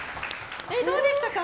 どうでしたか？